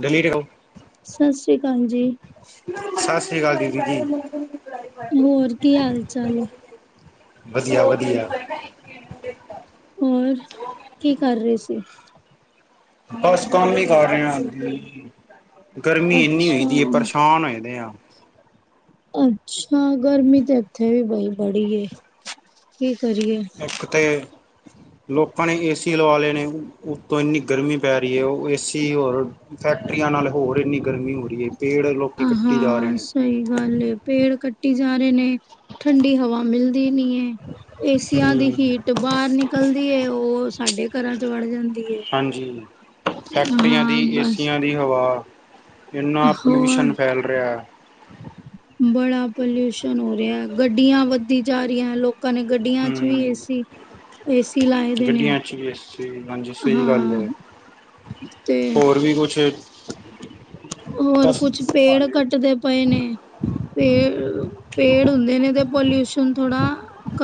ਦਿੱਲੀ ਕਦੋ ਸਤਿ ਸ੍ਰੀ ਅਕਾਲ ਜੀ ਸਤਿ ਸ੍ਰੀ ਅਕਾਲ ਦੀਦੀ ਜੀ। ਹੋਰ ਕੀ ਹਾਲ ਚਾਲ ਏ? ਵੱਧੀਆ, ਵੱਧੀਆ। ਹੋਰ ਕੀ ਕਰ ਰਏ ਸੀ? ਬਸ ਕੰਮ ਈ ਕਰ ਰਏ ਆ ਦੀਦੀ ਗਰਮੀ ਏੰਨੀ ਹੋਈ ਅੱਛਾ, ਦੀ ਆ, ਪਰੇਸ਼ਾਨ ਹੋਏ ਦੇ ਆ। ਅੱਛਾ ਗਰਮੀ ਤਾਂ ਏਥੇ ਵੀ ਬਈ ਬੜੀ ਏ, ਕੀ ਕਰੀਏ ਏਕ ਤੇ ਲੋਕਾਂ ਨੇ ਏ -ਸੀ ਲਵਾ ਲਏ ਨੇ, ਉਤੋਂ ਏਨੀ ਗਰਮੀ ਪੈ ਰਹੀ ਏ, ਓ ਏ -ਸੀ ਹੋਰ ਫੈਕਟਰੀਆਂ ਨਾਲ ਹੋਰ ਏਨੀ ਗਰਮੀ ਹੋ ਰਈ ਏ, ਪੇੜ ਲੋਕੀ ਕੱਟੀ ਜਾ ਰਹੇ ਨੇ। ਸਈ ਗੱਲ ਏ ਪੇੜ ਕੱਟੀ ਜਾ ਰਏ ਨੇ, ਠੰਡੀ ਹਵਾ ਮਿਲਦੀ ਨੀ ਏ। ਏਸੀਆਂ ਦੀ ਹਮ ਹੀਟ ਬਾਰ ਨਿਕਲਦੀ ਏ, ਓ ਸਾਡੇ ਘਰਾਂ ਚ ਵੜ ਜਾਂਦੀ ਏ। ਹਾਂਜੀ। ਫੈਕਟਰੀਆਂ ਦੀ ਹਾਂ ਬਸ, ਏਸੀਆਂ ਦੀ ਹਵਾ, ਏਨਾ ਪੋਲਿਊਸ਼ਨ ਹੋਰ ਫੈਲ ਰੇਆ ਬੜਾ ਪੋਲਿਊਸ਼ਨ ਹੋ ਰੇਆ, ਗੱਡੀਆਂ ਵੱਧਦੀ ਜਾ ਰਈਆਂ ਲੋਕ ਗੱਡੀਆਂ ਵਿਚ ਵੀ ਏ ਹਮ ਸੀ। ਏਸੀ ਲਾਏ ਦੇ ਨੇ ਗੱਡੀਆਂ ਚ ਵੀ ਏਸੀ ਹਾਂਜੀ ਸਹੀ ਗੱਲ ਹਾਂ। ਹੈ ਤੇ ਹੋਰ ਵੀ [unintelligible] ਹੋਰ ਬਸ ਕੁਛ ਪੇੜ ਹਾਲੇ ਕੱਟਦੇ ਪਏ ਨੇ। ਪੇੜ ਪੇੜ ਹੁੰਦੇ ਨੇ ਤੇ ਪੋਲਿਊਸ਼ਨ ਥੋੜਾ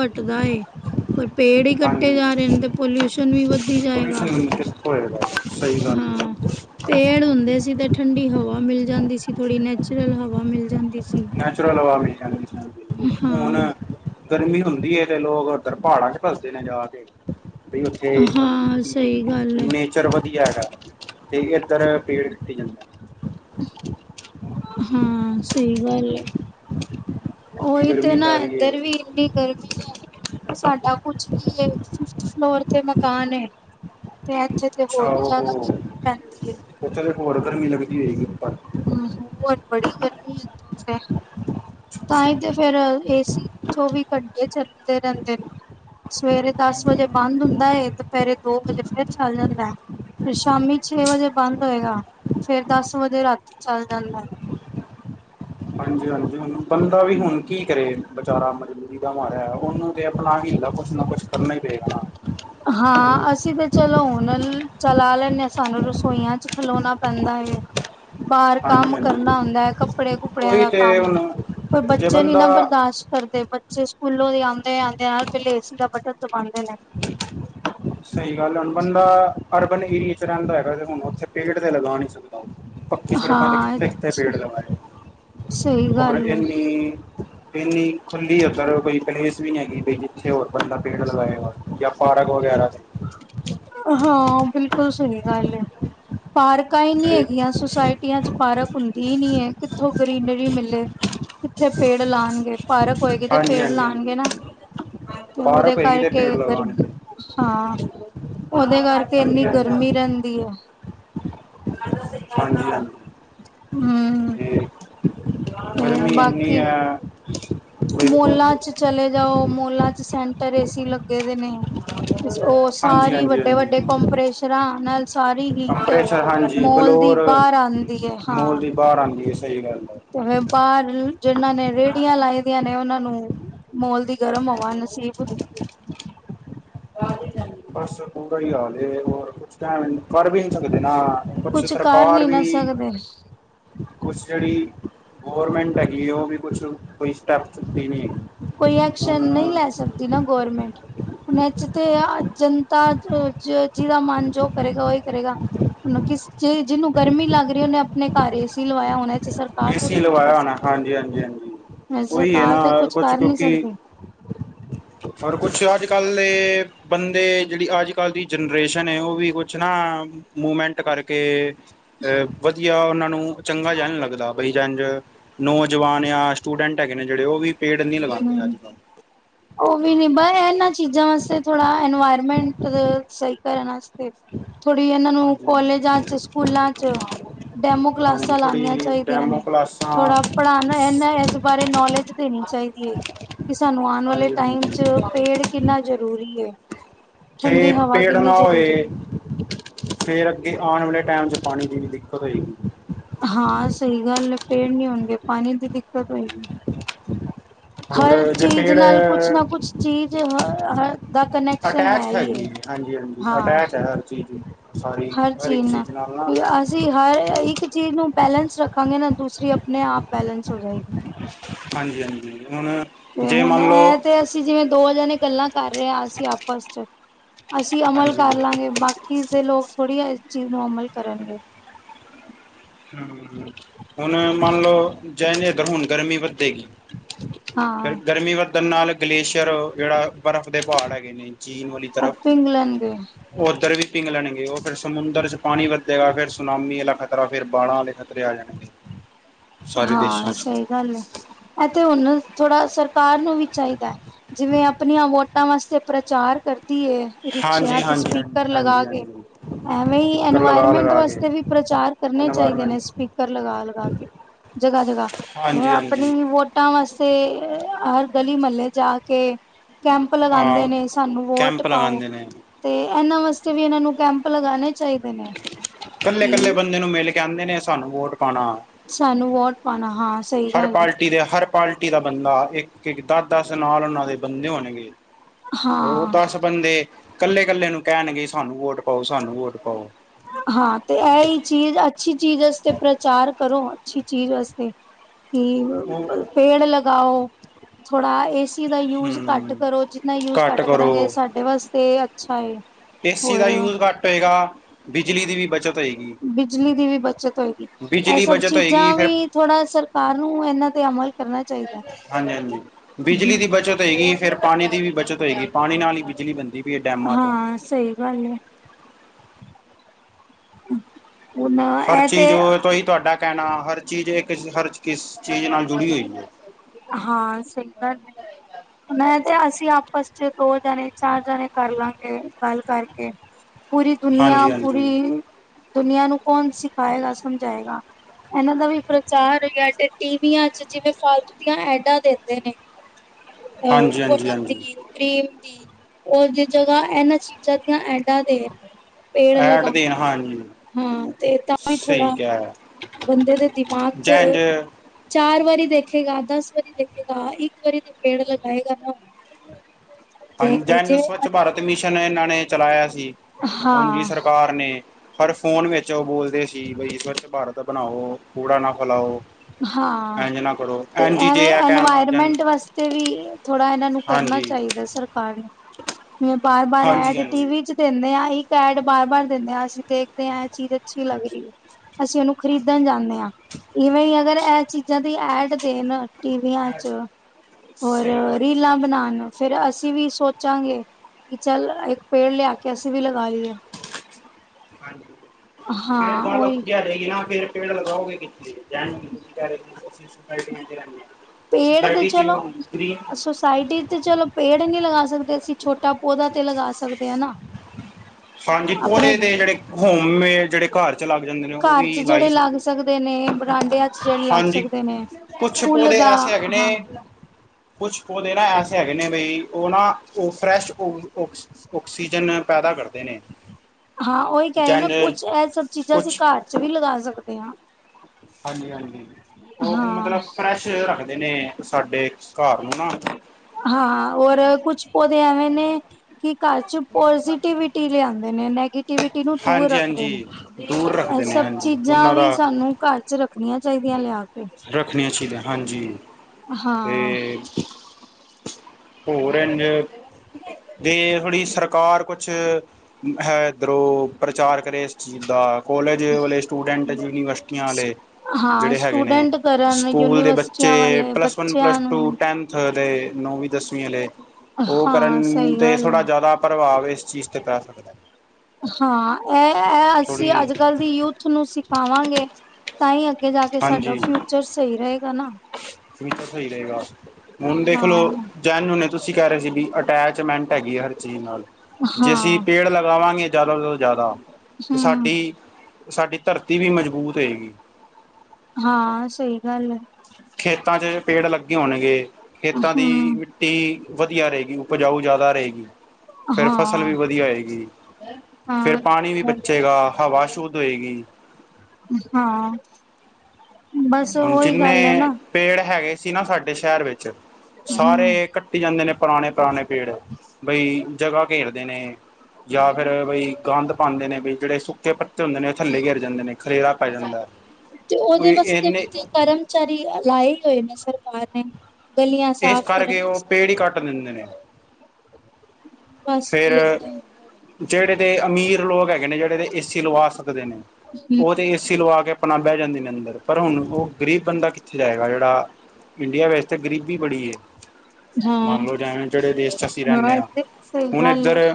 ਘੱਟਦਾ ਏ। ਪਰ ਪੇੜ ਹੀ ਕੱਟੇ ਹਾਂਜੀ ਜਾ ਰਹੇ ਨੇ, ਤੇ ਪੋਲਿਊਸ਼ਨ ਵੀ ਵੱਧਦੀ ਜਾਏਗਾ। ਪੋਲਿਊਸ਼ਨ ਹੋਏਗਾ ਸਹੀ ਗੱਲ ਨਹੀਂ। ਹਾਂ ਪੇੜ ਹੁੰਦੇ ਸੀ ਤੇ ਠੰਡੀ ਹਵਾ ਮਿਲ ਜਾਂਦੀ ਸੀ। ਥੋੜੀ ਨੈਚੁਰਲ ਹਵਾ ਮਿਲ ਜਾਂਦੀ ਸੀ। ਨੈਚੁਰਲ ਹਵਾ ਮਿਲ ਜਾਂਦੀ ਸੀ ਹੁਣ ਹਾਂ ਗਰਮੀ ਹੁੰਦੀ ਤੇ ਲੋਕ ਉੱਧਰ ਪਹਾੜਾਂ ਚ ਭਜਦੇ ਨੇ ਜਾ ਕੇ। ਤੇ ਉੱਥੇ ਹਾਂ ਸਹੀ ਗੱਲ ਹੈ ਨੇ ਚਲ ਵਧੀਆ ਹੈਗਾ, ਤੇ ਇੱਧਰ ਪੇੜ ਕੱਟੀ ਜਾਂਦਾ। ਹਾਂ ਸਹੀ ਏ ਕਿ ਉਹੀ ਤੇ ਗਰਮੀ ਨਾ ਪੈ ਰਹੀ ਹੈ ਇੱਧਰ ਵੀ ਇੰਨੀ ਗਰਮੀ ਹੈ ਸਾਡਾ ਕੁਛ ਕੀ ਏ ਫਿਫਥ ਫਲੋਰ ਤੇ ਮਕਾਨ ਏ। ਤੇ ਇੱਥੇ ਤੇ ਹੋਰ ਵੀ ਜ਼ਿਆਦਾ ਗਰਮੀ ਪੈਂਦੀ ਏ। ਉਥੇ ਤੇ ਹੋਰ ਗਰਮੀ ਲੱਗਦੀ ਹੋਏਗੀ ਉਪਰ। ਆਰੇ ਬੜੀ ਗਰਮੀ ਆ ਫ ਤਾਂਹੀ ਤੇ ਫੇਰ ਏਸੀ ਚੌਵੀ ਘੰਟੇ ਚੱਲਦੇ ਰਹਿੰਦੇ ਨੇ। ਸਵੇਰੇ ਦਸ ਵਜੇ ਉੱਪਰ ਬੰਦ ਹੁੰਦਾ ਏ, ਦੁਪਹਿਰੇ ਦੋ ਵਜੇ ਫੇਿਰ ਚੱਲ ਜਾਂਦਾ। ਫਿਰ ਸ਼ਾਮੀ ਛੇ ਵਜੇ ਬੰਦ ਹੋਏਗਾ ਫੇਰ ਦਸ ਵਜੇ ਰਾਤੀ ਚੱਲ ਜਾਂਦਾ। ਹ [inaudible] ਹਾਂਜੀ- ਹਾਂਜੀ।, ਹੁਣ ਬੰਦਾ ਵੀ ਹੁਣ ਕੀ ਕਰੇ ਵਿਚਾਰਾ ਮਜਬੂਰੀ ਦਾ ਮਾਰਿਆ ਉਹਨੂੰ ਤੇ ਆਪਣਾ ਹੀਲਾ, ਕੁਛ ਨਾ ਕੁਛ ਕਰਨਾ ਹੀ ਪਏ ਗਾ ਨਾ। ਉਹਨੂੰ ਹਾਂ ਅਸੀਂ ਤੇ ਚਲੋ ਹੁਣ ਚਲਾ ਲੈਂਨੇ ਹਾਂ, ਸਾਨੂੰ ਰਸੋਈਆਂ ਚ ਖਲੋਣਾ ਪੈਂਦਾ ਏ। ਬਾਹਰ ਹਾਂਜੀ ਕੰਮ ਹਾਂਜੀ ਕਰਨਾ ਹੁੰਦਾ ਏ। ਕੱਪੜੇ ਕੁਪੜਿਆਂ ਉਹੀ ਦਾ ਤੇ ਕੰਮ ਹੁਣ ਪਰ ਜੇ ਬੱਚੇ ਨੀ ਬੰਦਾ ਨਾ ਬਰਦਾਸ਼ਤ ਕਰਦੇ ਬ ਚੇ ਸਕੂਲੋਂ ਦੇ ਆਉਂਦੇ ਆਉਂਦੇ ਪਹਿਲੇ ਏਸੀ ਦਾ ਬਟਨ ਦਬਾਂਦੇ ਨੇ। ਸਹੀ ਗੱਲ ਏ ਹੁਣ ਬਂਦਾ ਅਰਬਨ ਏਰੀਏ ਚ ਰਹਿੰਦਾ ਹੋਏਗਾ, ਤੇ ਹੁਣ ਉੱਥੇ ਪੇੜ ਤੇ ਲਗਾ ਨਹੀ ਸਕਦਾ। ਪਕੀ ਸਡਕਾ ਦੇ ਹਾਂ ਕਿੱਤੇ ਕਿੱਥੇ ਪੇੜ ਲਗਾਏ। ਸਹੀ ਹੋਰ ਗੱਲ ਏ, ਏਨੀ ਇੰਨੀ ਖੁੱਲੀ ਅਗਰ ਕੋਈ ਪਲੇਸ ਵੀ ਨੀ ਹੈਗੀ, ਬਈ ਜਿੱਥੇ ਹੋਰ ਬੰਦਾ ਪੇੜ ਲਗਾਏਗਾ। ਜਾਂ ਪਾਰਕ ਵਗੈਰਾ ਚ ਹਾਂ ਬਿਲਕੁਲ ਸਹੀ ਗੱਲ ਏ, ਪਾਰਕਾਂ ਹੀ ਨਹੀਂੀ ਤੇ ਹੈਗੀਆਂ ਸੁਸਾਇਟੀਆਂ ਚ ਪਾਰਕ ਹੁੰਦੀ ਈ ਨੀ ਹੈ। ਕਿੱਥੋਂ ਗਰੀਨਰੀ ਮਿਲੇ ਕਿੱਥੇ ਪੇੜ ਲਾਣਗੇ। ਪਾਰਕ ਹੋਏਗੀ ਤੇ ਹਾਂਜੀ ਫੇਰ ਹਾਂਜੀ ਲਾਣਗੇ ਹਾਂਜੀ ਨਾ। ਤੇ ਉਹਦੇ ਪਾਰਕ ਹੋਏਗੀ ਤੇ ਪੇੜ ਕਰਕੇ ਗਰਮ ਲਗਾਉਣਗੇ ਹਾਂ,। ਉਹਦੇ ਕਰਕੇ ਇੰਨੀ ਗਰਮੀ ਰਹਿੰਦੀ ਏ ਹਜੀ, [inaudible] ਹੂਂ। ਗਰਮੀ ਇਨੀ ਆ ਮੋਲਾ ਚ ਚਲੇ ਜਾਓ ਮੋਲਾ ਚ ਸੈਂਟਰ ਏਸੀ ਲੱਗੇ ਦੇ ਨੇ। ਤੇ ਉਹ ਹਾਂਜੀ ਸਾਰੀ ਹਾਂਜੀ ਵੱਡੇ ਹਾਂਜੀ ਵੱਡੇ ਕੰਪਰੇਸ਼ਰਾਂ ਨਾਲ ਸਾਰੀ ਹੀਟ, ਕੰਪਰੇਸ਼ਰ ਹਾਂਜੀ ਮੋਲ ਦੀ ਬਾਰ ਆਂਦੀ ਐ ਹਾਂ। ਬਾਰ ਆਂਦੀ ਏ ਸਹੀ ਗੱਲ ਐ। ਤੇ ਫਿਰ ਬਾਹਰ ਜਿੰਨਾਂ ਨੇ ਰੇੜੀਆਂ ਲਾਈ ਦੀਆਂ ਨੇ, ਉਨ੍ਹਾ ਨੂੰ ਮੋਲ ਦੀ ਗਰਮ ਹਵਾ ਨਸੀਬ ਹੁੰਦੀ ਐ। ਬਸ ਬੁਰਾ ਈ ਹਾਲ ਏ, ਹੋਰ ਕੁਛ ਕ ਕਰ ਵੀ ਨੀ ਸਕਦੇ ਨਾ। ਕੁਛ ਕਰ ਸਰਕਾਰ ਨਹੀਂ ਨਾ ਵੀ ਸਕਦੇ ਕੁਛ ਜੇੜੀ ਗੌਰਮੈਂਟ ਹੈਗੀ ਏ ਓ ਵੀ ਕੁਛ ਕੋਈ ਸਟੈਪ ਚੁੱਕੀ ਨੀ ਏ। ਕੋਈ ਐਕਸ਼ਨ, ਨਈ ਲੈ ਸਕਦੀ ਨਾ ਗੌਰਮੈਂਟ। ਓ ਚ ਤੇ ਏ ਐ ਜਨਤਾ ਜੀਦਾ ਮਨ ਜੋ ਕਰੇਗਾ, ਓਈ ਕਰੇਗਾ। ਹੁਣ ਕਿਸ ਚੀ ਜੀਨੂੰ ਗਰਮੀ ਲੱਗ ਰਹੀ, ਓਨੇ ਆਪਣੇ ਘਰ ਏ-ਸੀ ਲਵਾਇਆ ਹੋਣਾ। ਸਰਕਾਰ ਏਸੀ ਥੋੜੀ ਕੁਛ ਕਰ ਲਵਾਇਆ ਹੋਣਾ ਸਕਦੀ ਹਾਂਜੀ ਹਾਂਜੀ ਹਾਂਜੀ ਐ। ਸਰਕਾਰ ਤੇ ਕੁਛ ਹੋਰ ਕੁਛ ਅਜ-ਕੱਲ੍ਹ ਦੇ ਬੰਦੇ ਜੇੜੀ ਅੱਜ-ਕੱਲ੍ਹ ਦੀ ਜਨਰੇਸ਼ਨ ਐ ਓ ਵੀ ਕੁਛ ਨਾ, ਮੂਮੈਂਟ ਕਰਕੇ ਅ ਵਧੀਆ ਓਨਾ ਨੂੰ ਚੰਗਾ ਜਾ ਨੀ ਲੱਗਦਾ। ਬਾਈ ਜੰਝ ਨੌਜਵਾਨ ਜਾਂ ਸਟੂਡੈਂਟ ਹੈਗੇ ਨੇ ਜੇੜੇ, ਓਵੀ ਪੇੜ ਨੀ ਲਗਾਂਦੇ, ਅੱਜ-ਕੱਲ [unintelligible] ਓਵੀ ਨੀ ਬ ਏਨਾਂ ਚੀਜ਼ਾਂ ਵਾਸਤੇ ਥੋੜਾ ਇਨਵੈਰਮੈਂਟ ਸਹੀ ਕਰਨ ਆਸ [unintelligible] ਥੋੜ੍ਹੀ ਐਨਾਂ ਨੂੰ ਹਾਂਜੀ ਕੋਲਜਾਂ, ਚ ਸਕੂਲਾਂ, ਚ ਡੈਮੋ ਹਾਂਜੀ ਕਲਾਸਾਂ ਲਾਂਣੀਆਂ ਥੋੜ੍ਹੀ ਚਾਈਦੀਆਂ ਡੈਮੋ ਨੇ। ਕਲਾਸਾਂ ਥੋੜ੍ਹਾ ਪੜ੍ਹਾਂਣਾ ਇੰਨਾ ਏਸ ਬਾਰੇ ਨੌਲੇਜ ਦੇਣੀ ਚਾਈਦੀ। ਕਿ ਸਾਨੂੰ ਆਂਣ ਵਾਲੇ ਹਾਂਜੀ ਟਾਈਮ ਹਾਂਜੀ ਚ ਪੇੜ ਕਿੰਨਾ ਜ਼ਰੂਰੀ। ਏ, ਜੇ ਠੰਡੀ ਹਵਾ ਪੇੜ ਕਿੰਨੀ ਨਾ ਜ਼ਰੂਰੀ ਹੋਏ। ਏ। ਫੇਰ ਅੱਗੇ ਆਂਣ ਵਾਲੇ ਟੈਮ ਚ, ਪਾਣੀ ਦੀ ਵੀ ਦਿੱਕਤ ਹੋਏਗੀ। ਹਾਂ ਸਹੀ ਗੱਲ ਏ, ਪੇੜ ਨੀ ਹੋਣਗੇ ਪਾਣੀ ਦੀ ਦਿੱਕਤ ਹੋਏਗੀ। [unintelligible] ਹਰ ਜੇ ਚੀਜ਼ ਪੇੜ ਨਾਲ ਕੁਛ ਨਾ ਕੁਛ ਚੀਜ਼ ਦਾ ਕਨੈਕਟ ਅਟੈਚ ਹੈਗੀ ਐ ਜੀ ਹਾਂਜੀ-ਹਾਂਜੀ, ਅਟੈਚ ਐ ਹਰ ਚੀਜ਼ ਸਾਰੀ, ਹਰ ਇੱਕ ਚੀਜ਼ ਨਾਲ ਨਾ ਜ ਹਰ ਇੱਕ ਚੀਜ਼ ਨੂੰ ਬੈਲੇੈਂਸ ਰੱਖਾਂਗੇ ਨਾ ਦੂਸਰੀ ਆਪਣੇ -ਆਪ ਬੈਲੇੈਂਸ ਹੋ ਜਾਏਗੀ। ਹਾਂਜੀ-ਹਾਂਜੀ ਹੁਣ ਤੇ ਜੇ ਹੁਣ ਮੰਨ ਲਓ ਐ ਤੇ ਅਸੀਂ ਜਿਵੇਂ ਦੋ ਜਣੇ ਗੱਲਾਂ ਕਰ ਰਹੇ ਆ, ਅਸੀਂ ਆਪਸ ਚ ਅਸੀਂ ਅਮਲ ਹਾਂਜੀ ਕਰਲਾਂਗੇ ਬਾਕੀ ਦੇ ਲੋਕ ਥੋੜ੍ਹੀ ਆ, ਏਸ ਚੀਜ਼ ਨੂੰ ਅਮਲ ਕਰਨਗੇ ਹੂੰ, ਹੁਣ ਮੰਨਲੋ ਜੈਨ ਧਰੋਨ ਗਰਮੀ ਵੱਧੇਗੀ, ਹਾਂ ਫਿਰ ਗਰਮੀ ਵੱਧਣ ਨਾਲ ਗਲੇਸ਼ੀਅਰ ਜੇੜਾ, ਬਰਫ਼ ਦੇ ਪਾੜ ਹੈਗੇ ਨੇ, ਚੀਨ ਵਾਲੀ ਉਹ ਤਰਫ਼ ਪਿੰਗ ਲੈਣਗੇ ਓਦਰ ਵੀ ਪਿੰਘਲਣਗੇ ਓ ਫਿਰ ਸਮੁੰਦਰ ਚ ਪਾਣੀ ਵਧੇਗਾ, ਫੇਰ ਸੁਨਾਮੀ ਆਲਾ ਖ਼ਤਰਾ ਫੇਰ ਬਾੜਾ ਆਲੇ ਖ਼ਤਰੇ ਆ ਜਾਣਗੇ। ਸਾਰੇ ਹਾਂ, ਦੇਸ਼ਾਂ 'ਚ ਸਹੀ ਗੱਲ ਐ। ਏ ਤੇ ਹੁਣ ਥੋੜਾ ਸਰਕਾਰ ਨੂੰ ਵੀ ਚਾਈਦਾ, ਜਿਵੇਂ ਆਪਣੀਆਂ ਵੋਟਾਂ ਤਾਂ ਵਾਸਤੇ ਪ੍ਰਚਾਰ ਕਰਦੀ ਏ, ਰਿਕਸ਼ਿਆਂ ਹਾਂਜੀ ਚ ਹਾਂਜੀ ਹਾਂਜੀ ਸਪੀਕਰ ਲਗਾ ਹਾਂਜੀ ਕੇ ਹਾਂਜੀ ਐਵੇਂ ਹੀ ਚੱਕਰ ਲਗਾ ਐਨਵਾਇਰਮੈਂਟ ਲਗਾ ਕੇ ਵਾਸਤੇ ਵੀ ਪ੍ਰਚਾਰ ਕਰਨੇ ਚਾਈਦੇ ਨੇ, ਇਨਵਾਇਰਮੈਂਟ ਸਪੀਕਰ ਲਗਾ-ਲਗਾ ਕੇ। ਜਗ੍ਹਾ-ਜਗ੍ਹਾ ਮੈ ਹਾਂਜੀ ਹਾਂਜੀ ਆਪਣੀ ਵੋਟਾਂ ਵਾਸਤੇ ਹਰ ਗਲ਼ੀ ਮ੍ਹੱਲੇ ਜਾ ਕੇ ਕੈਂਪ ਲਗਾਂਦੇ ਹਾਂ ਨੇ, ਸਾਨੂੰ ਵੋਟ ਕੈਂਪ ਪਾਓ। ਲਗਾਉਂਦੇ ਨੇ ਤੇ ਐਨਾਂ ਵਾਸਤੇ ਵੀ ਏਨਾਂ ਨੂੰ ਕੈਂਪ ਲਗਾਣੇ ਚਾਈਦੇ ਨੇ। ਕੱਲੇ-ਕੱਲੇ ਕਿ ਬੰਦੇ ਨੂੰ ਮਿਲ ਕੇ ਆਂਦੇ ਨੇ, ਸਾਨੂੰ ਵੋਟ ਪਾਂਣਾ। ਸਾਨੂੰ ਵੋਟ ਪਾਉਣਾ ਹਾਂ ਸਹੀ ਹਰ ਗੱਲ ਹੈ ਪਾਰਟੀ ਦੇਆ ਹਰ ਪਾਰਟੀ ਦਾ ਬੰਦਾ ਇੱਕ ਇੱਕ ਦੱਸ ਦੱਸ ਨਾਲ ਉਹਨਾਂ ਦੇ ਬੰਦੇ ਹੋਣਗੇ ਉਹ ਹਾਂ ਦੱਸ ਬੰਦੇ ਇਕੱਲੇ ਇਕੱਲੇ ਨੂੰ ਕਹਿਣਗੇ ਸਾਨੂੰ ਵੋਟ ਪਾਓ ਸਾਨੂੰ ਵੋਟ ਪਾਓ ਹਾਂ ਤੇ ਇਹ ਹੀ ਚੀਜ਼ ਅੱਛੀ ਚੀਜ਼ ਵਾਸਤੇ ਪ੍ਰਚਾਰ ਕਰੋ ਅੱਛੀ ਚੀਜ਼ ਵਾਸਤੇ ਉਹ ਕਿ ਪੇੜ ਲਗਾਓ ਥੋੜਾ ਏਸੀ ਦਾ ਯੂਜ ਘੱਟ ਹਮ ਕਰੋ ਜਿੰਨਾ ਯੂਜ ਘੱਟ ਕਰਾਂਗੇ ਸਾਡੇ ਵਾਸਤੇ ਅੱਛਾ ਹੈ ਏਸੀ ਦਾ ਯੂਜ ਘੱਟ ਹੋਏਗਾ ਬਿਜਲੀ ਦੀ ਵੀ ਬੱਚਤ ਹੋਏਗੀ ਬਿਜਲੀ ਦੀ ਵੀ ਬੱਚਤ ਹੋਏਗੀ ਇਹ ਬਿਜਲੀ ਸਭ ਬੱਚਤ ਚੀਜ਼ਾਂ ਹੋਏਗੀ ਫਿਰ ਵੀ ਥੋੜ੍ਹਾ ਸਰਕਾਰ ਨੂੰ ਇਹਨਾਂ ਤੇ ਅਮਲ ਕਰਨਾ ਚਾਹੀਦਾ ਹਾਂਜੀ ਹਾਂਜੀ ਬਿਜਲੀ ਦੀ ਬੱਚਤ ਹੋਏਗੀ ਫੇਰ ਪਾਣੀ ਦੀ ਵੀ ਬੱਚਤ ਹੋਏਗੀ ਪਾਣੀ ਨਾਲ ਹੀ ਬਿਜਲੀ ਬਣਦੀ ਪਈ ਹੈ ਡੈਮਾਂ ਤੋਂ ਹਾਂ ਸਹੀ ਗੱਲ ਹੈ ਹੁਣ ਹਰ ਇਹ ਚੀਜ਼ ਤੇ ਉਹ ਤੋਂ ਹੀ ਤੁਹਾਡਾ ਕਹਿਣਾ ਹਰ ਚੀਜ਼ ਇੱਕ ਹਰ ਕਿਸ ਚੀਜ਼ ਨਾਲ ਜੁੜੀ ਹੋਈ ਹੈ ਹਾਂ ਸਹੀ ਗੱਲ ਹੈ ਹੁਣ ਮੈਂ ਤੇ ਅਸੀਂ ਆਪਸ ਚ ਦੋ ਜਾਣੇ ਚਾਰ ਜਾਣੇ ਕਰ ਲਾਂਗੇ ਗੱਲ ਕਰਕੇ ਪੂਰੀ ਦੁਨੀਆਂ ਹਾਂਜੀ ਹਾਂਜੀ ਪੂਰੀ ਦੁਨੀਆਂ ਨੂੰ ਕੌਣ ਸਿਖਾਏਗਾ ਸਮਝਾਏਗਾ ਇਹਨਾਂ ਦਾ ਵੀ ਪ੍ਰਚਾਰ [unintelligible] ਟੀਵੀਆਂ ਚ ਜਿਵੇਂ ਫਾਲਤੂ ਦੀਆਂ ਐਡਾਂ ਦਿੰਦੇ ਨੇ ਉਹ ਹਾਂਜੀ ਹਾਂਜੀ ਪੋਡਰ ਹਾਂਜੀ ਦੀ ਕੀ੍ਮ ਦੀ ਉਹਦੀ ਜਗ੍ਹਾ ਇਹਨਾਂ ਚੀਜ਼ਾਂ ਦੀਆਂ ਐਡਾਂ ਦੇਨ ਐਡ ਦੀਆਂ ਹਾਂਜੀ ਹਾਂ ਤੇ ਤਾਂ ਵੀ ਸਹੀ ਥੋੜ੍ਹਾ ਕਿਹਾ ਬੰਦੇ ਦੇ ਦਿਮਾਗ ਚ ਜੈਂਜ ਹਾਂਜੀ ਚਾਰ ਵਾਰੀ ਦੇਖੇਗਾ ਦੱਸ ਵਾਰੀ ਦੇਖੇਗਾ ਇੱਕ ਵਾਰੀ ਤੇ ਉਹ ਪੇੜ ਲਗਾਏਗਾ ਨਾ ਹਾਂ ਦੇਖਦੇ ਜੈਨ ਜਿਵੇਂ ਸਵੱਛ ਅਸੀਂ ਭਾਰਤ ਮਿਸ਼ਨ ਇਹਨਾਂ ਨੇ ਚਲਾਇਆ ਸੀ ਹੁਣ ਜੀ ਹਾਂ ਸਰਕਾਰ ਕਾਰ ਨੇ ਹਰ ਫੋਨ ਵਿੱਚ ਉਹ ਬੋਲਦੇ ਸੀ ਬਈ ਸਵੱਛ ਭਾਰਤ ਬਣਾਓ ਕੂੜਾ ਨਾ ਫੈਲਾਓ ਹਾਂ ਇੰਝ ਨਾ ਕਰੋ ਤੇ ਐਨ ਜੀ ਐਵੇਂ ਜੇ ਆ ਕਹਿਣ ਲੱਗ ਜਾਣ ਐਨਵਾਇਰਮੈਂਟ ਵਾਸ ਤੇ ਵੀ ਥੋੜਾ ਇਹਨਾਂ ਨੂੰ ਕਰਨਾ ਹਾਂਜੀ ਚਾਹੀਦਾ ਸਰਕਾਰ ਨੂੰ ਜਿਵੇਂ ਬਾਰ ਬਾਰ ਹਾਂਜੀ ਐਡ ਹਾਂਜੀ ਟੀਵੀ ਚ ਦਿੰਦੇ ਹਾਂ ਇੱਕ ਐਡ ਬਾਰ ਬਾਰ ਦਿੰਦੇ ਹਾਂ ਅਸੀਂ ਦੇਖਦੇ ਹਾਂ ਇਹ ਚੀਜ਼ ਅੱਛੀ ਲੱਗ ਰਹੀ ਹੈ ਅਸੀਂ ਉਹਨੂੰ ਖ਼ਰੀਦਣ ਜਾਂਣੇ ਹਾਂ ਇਵੇਂ ਹੀ ਅਗਰ ਇਹ ਚੀਜ਼ਾਂ ਦੀ ਐਡ ਦੇਣ ਟੀਵੀਆਂ ਐ ਚ ਹੋਰ ਸਹੀ ਗੱਲ ਹੈ ਰੀਲਾਂ ਬਣਾਉਣ ਫੇਰ ਅਸੀਂ ਵੀ ਸੋਚਾਂਗੇ ਕਿ ਚੱਲ ਇੱਕ ਪੇੜ ਲਿਆ ਕੇ ਅਸੀਂ ਵੀ ਲੱਗਾ ਲਈਏ ਹਾਂਜੀ ਹਾਂ ਉਹੀ [unintelligible] ਸਹੀ ਏ ਨਾ ਫਿਰ ਪੇੜ ਲਗਾਓਗੇ ਕਿਥੇ [unintelligible] ਪੇੜ ਤੇ ਚਲੋ ਅਹ ਸੁੋਸਾਇਟੀ ਤੇ ਚਲੋ ਪੇੜ ਨੀ ਲਗਾ ਸਕਦੇ ਅਸੀ ਛੋਟਾ ਪੋਦਾ ਤੇ ਲਗਾ ਸਕਦੇ ਹਾਂ ਨਾ ਹਾਂਜੀ ਆਪਣੇ ਪੋਦੇ ਤੇ ਜਿਹੜੇ ਹੋਮ ਮੈਡ ਜਿਹੜੇ ਘਰ ਚ ਲਗ ਜਾਂਦੇ ਨੇ ਉਹ ਘਰ ਚ ਵੀ ਲ ਜਿਹੜੇ ਲੱਗ ਸਕਦੇ ਨੇ ਬਰਾਂਡਿਆਂ ਚ ਜਿਹੜੇ ਲੱਗ ਸਕਦੇ ਨੇ ਕੁੱਛ ਫੁੱਲ ਪੋਦੇ ਦਾ ਐਸੇ ਹੈਗੇ ਨੇ ਹਾਂ ਕੁੱਛ ਪੋਦੇ ਨਾ ਐਸੇ ਹੈਗੇ ਨੇ ਬਈ ਉਹ ਨਾ ਉਹ ਫਰੈਸ਼ ਔ ਔਕਸ ਔਕਸੀਜਨ ਪੈਦਾ ਕਰਦੇ ਨੇ ਹਾਂ ਉਹੀ ਕਹਿ ਰਹੀ ਨਾ ਜਨ ਕੁੱਛ ਇਹ ਸਭ ਚੀਜਾਂ ਅਸੀ ਕੁਛ ਘਰ ਚ ਵੀ ਲਗਾ ਸਕਦੇ ਹਾਂ ਹਾਂਜੀ ਹਾਂਜੀ ਉਹ ਹਾਂ ਮਤਲਬ ਫਰੈਸ਼ [unintelligible] ਰੱਖਦੇ ਨੇ ਸਾਡੇ ਘਰ ਨੂੰ ਨਾ ਹਾਂ ਔਰ ਕੁੱਛ ਪੋਦੇ ਐਂਵੇ ਨੇ ਕਿ ਘਰ 'ਚ ਪੋਜੀਟਿਵਿਟੀ ਲਿਆਂਦੇ ਨੇ ਨੈਗੇ ਨੈਗੇਵੀਟੀ ਨੂੰ ਦੂਰ ਹਾਂਜੀ ਰੱਖੋ ਹਾਂਜੀ ਦੂਰ ਐ ਰੱਖਦੇ ਨੇ ਸਭ ਹਾਂਜੀ ਚੀਜਾ ਉਹਨਾਂ ਦਾ ਵੀ ਸਾਨੂੰ ਘਰ 'ਚ ਰੱਖ ਰੱਖਣੀਆਂ ਚਾਈਦੀਆਂ ਲਿਆ ਕੇ। ਰੱਖਣੀਆਂ ਚਾਈਦੀ ਹਾਂਜੀ ਹਾਂ ਤੇ ਹੋਰ ਇਂਜ ਦੇ ਥੋੜੀ ਸਰਕਾਰ ਕੁਛ ਕੁਛ ਹੈ ਇਧਰੋ ਪ੍ਰਚਾਰ ਕਰੇ ਇਸ ਚੀਜ ਦਾ ਕੋਲੇਜ ਵਾਲੇ ਸਟੂਡੈਂਟ ਯੂਨੀਵਰਸਿਟੀਆਂ ਅਲੇ ਹਾਂ ਜੇੜੇ ਹੈਗੇ ਨੇ ਸਟੂਡੈਂਟ ਕਰਨ ਸਕੂਲ ਦੇ ਬੱਚੇ ਯੂਨੀਵਰਸਿਟੀਆਂ ਵਾਲੇ ਪਲੱਸ ਵੰਨ ਪਲੱਸ ਬੱਚਿਆਂ ਟੂ ਨੂੰ ਟੈਨ ਥਰਡ ਦੇ ਨੋਵੀ ਦਸਵੀ ਅਲੇ ਓ ਹਾਂ ਕਰਨ ਸਹੀ ਤੇ ਗੱਲ ਹੈ ਥੋੜਾ ਜਾਦਾ ਪ੍ਰਭਾਵ ਇਸ ਚੀਜ ਤੇ ਪੈ ਸਕਦਾ। ਹਾਂ ਐ-ਐ ਅਸੀ ਥੋੜ੍ਹੀ ਅੱਜ ਕੱਲ ਦੀ ਯੂਥ ਨੂੰ ਸਿਖਾਵਾਂਗੇ। ਤਾਂ ਈ ਅੱਗੇ ਜਾ ਕੇ ਸਾਡਾ ਫਿਊਚਰ ਸਈ ਰਏਗਾ ਨਾ। ਫਿਊਚਰ ਸਈ ਰਏਗਾ ਹੁਣ ਦੇਖਲੋ ਹਾਂ ਜੈਨ ਹੁਨ ਤੁਸੀ ਕੈ ਰਏ ਸੀ ਵੀ ਅਟੈਚਮੈਂਟ ਹੈਗੀ ਹਰ ਚੀਜ ਨਾਲ ਜੇ ਅਸੀ ਹਾਂ ਪੇੜ ਲਗਾਵਾਂਗੇ। ਜਾਦਾ ਤੋ ਜਾਦਾ ਤੇ ਹਮ ਸਾਡੀ-ਸਾਡੀ ਧਰਤੀ ਵੀ ਮਜ਼ਬੂਤ ਹੋਏਗੀ। ਹਾਂ ਸਈ ਗੱਲ ਐ। ਖੇਤਾ 'ਚ ਪੇੜ ਲੱਗੇ ਹੋਣਗੇ ਖੇਤਾ ਦੀ ਹਮ ਮਿ ਟੀ ਵਧੀਆ ਰਏਗੀ ਉਪਜਾਊ ਜਾਦਾ ਰਏਗੀ ਫੇਰ ਹਾਂ ਫਸਲ ਵੀ ਵਧੀਆ ਰਏਗੀ। ਫਿਰ ਹਾਂ ਪਾਣੀ ਵੀ ਸਹੀ ਗੱਲ ਹੈ ਬਚੇਗਾ ਹਵਾ ਸ਼ੁੱਧ ਹੋਏਗੀ। ਹਾਂ ਬਸ ਹੁਣ ਉਹੀ ਗੱਲ ਐ ਜਿੰਨੇ ਨਾ। ਪੇੜ ਹੈਗੇ ਸੀ ਨਾ ਸਾਡੇ ਸ਼ਹਿਰ ਵਿੱਚ ਸਾਰੇ ਹਮ ਕ ਕਟੀ ਜਾਂਦੇ ਨੇ ਪੁਰਾਣੇ-ਪੁਰਾਣੇ ਪੇੜ ਬਈ ਜਗ੍ਹਾ ਘੇਰਦੇ ਨੇ। ਜਾਂ ਫਿਰ ਬਈ ਗੰਦ ਪਾਂਦੇ ਨੇ ਵੀ ਜੇੜੇ ਸੁੱਕੇ ਪ ਸੁਕੇ ਹੁੰਦੇ ਨੇ ਓ ਥੱਲੇ ਗਿਰ ਜਾਂਦੇ ਨੇ ਖਲੇਰਾ ਪੈ ਜਾਂਦੈ। ਤੇ ਉਦੇ ਵਾਸਤੇ ਵੀ ਤੇ ਕਰਮਚਾਰੀ ਲਾਏ ਹੋਏ ਨੇ ਸਰਕਾਰ ਨੇ ਗਲੀਆਂ ਸਾਫ਼ ਕਰਨ ਅਸਤੇ ਵੀ ਕੱਟ ਦਿੰਦੇ ਨੇ। ਬਸ ਫਿਰ ਜੀ ਏਦਾਂ ਹੀ ਹੈ। ਜੇੜੇ ਤੇ ਅਮੀਰ ਲੋਕ ਹੈਗੇ ਨੇ ਜੇੜੇ ਤੇ ਏਸੀ ਲਵਾ ਸਕਦੇ ਨੇ। ਓ ਤੇ ਏਸੀ ਲਵਾ ਕੇ ਆਪਣਾ ਬੈ ਜਾਂਦੇ ਨੇ ਅੰਦਰ ਪਰ ਹੁਣ ਓ ਗਰੀਬ ਬੰਦਾ ਕਿੱਥੇ ਜਾਏਗਾ ਜੇੜਾ ਇੰਡੀਆ ਵਿੱਚ ਤੇ ਗਰੀਬੀ ਬੜੀ ਏ ਹਾਂ, ਮੰਨ ਲਓ ਜਵੇਂ ਜੇੜੇ ਦੇਸ਼ 'ਚ ਅਸੀਂ ਰੈਂਣੇ ਹਾਂ ਆਂ। ਸਹੀ ਹੁਣ ਗੱਲ ਇੱਧਰ ਹੈ।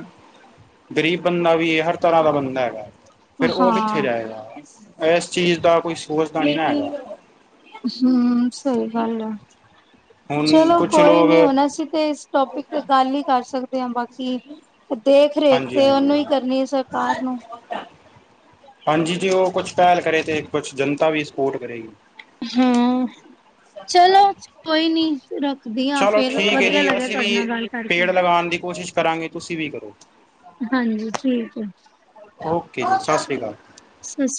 ਗਰੀਬ ਬੰਦਾ ਵੀ ਏ ਹਰ ਤਰ੍ਹਾਂ ਦਾ ਬੰਦਾ ਹੈਗੈ। ਫਿਰ ਓ ਕਿੱਥੇ ਹਾਂ, ਜਾਏਗਾ ਇਸ ਚੀਜ਼ ਦਾ ਕੋਈ ਸੋਚਦਾ ਨਈ ਨਾ ਹੈਗਾ। ਉਸਨੂੰ ਸਈ ਗੱਲ ਐ। ਹੁਣ ਚਲੋ ਕੁਛ ਕੋਈ ਲੋਕ ਨੀ ਹੁਣ ਅਸੀਂ ਤੇ ਇਸ ਟੋਪਿਕ ਤੇ ਗੱਲ ਨੀ ਕਰ ਸਕਦੇ ਆਂ ਬ ਕੀ ਦੇਖ ਰੇਖ ਹਾਂਜੀ ਤੇ ਹਾਂਜੀ ਉਨੂੰ ਹੀ ਕਰਨੀ ਏ ਸਰਕਾਰ ਨੂੰ ਹਾਂਜੀ ਜੀ ਓ ਕੁਛ ਪੈਲ ਕਰੇ ਤੇ ਕੁਛ ਜਨਤਾ ਵੀ ਸਪੋਰਟ ਕਰੇਗੀ। ਹਾਂ ਚਲੋ ਕੋਈ ਨੀ ਰੱਖ ਚਲੋ ਠੀਕ ਏ ਜੀ ਅਸੀਂ ਵੀ ਕਰਕੇ। ਪੇੜ ਲਗਾਣ ਦੀ ਕੋਸ਼ਿਸ਼ ਕਰਾਂਗੇ ਤੁਸੀਂ ਵੀ ਕਰੋ। ਹਾਂਜੀ ਠੀਕ ਏ। ਓਕੇ ਸਤਿ ਸ਼੍ਰੀ ਅਕਾਲ। ਸਸ